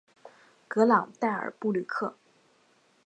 格朗代尔布吕克。